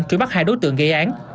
truy bắt hai đối tượng gây án